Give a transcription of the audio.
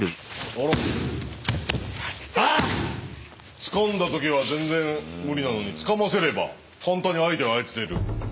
つかんだ時は全然無理なのにつかませれば簡単に相手を操れる。